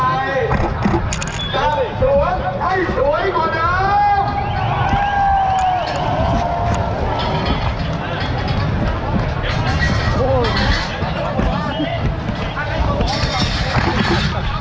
เราก็จะจัดสวนใหม่จัดสวนให้สวยกว่าน้ำ